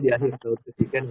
di akhir tahun ke tiga